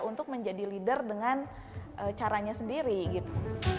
untuk menjadi leader dengan caranya sendiri gitu